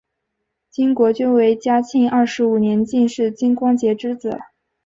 金国均为嘉庆二十五年进士金光杰之子。